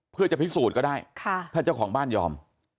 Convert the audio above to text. เพื่อจะพิสูจน์ก็ได้ถ้าเจ้าของบ้านยอม